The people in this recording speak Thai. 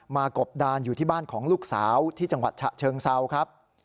กบดานอยู่ที่บ้านของลูกสาวที่จังหวัดฉะเชิงเซาครับ